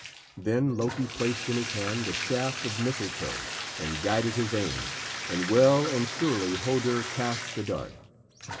Then Loki placed in his hand the shaft of mistletoe and guided his aim, and well and surely Hodur cast the dart.